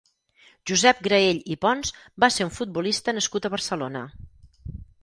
Josep Graell i Pons va ser un futbolista nascut a Barcelona.